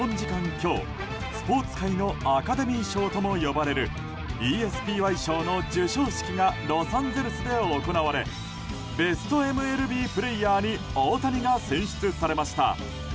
今日、スポーツ界のアカデミー賞とも呼ばれるＥＳＰＹ賞の授賞式がロサンゼルスで行われベストＭＬＢプレーヤーに大谷が選出されました。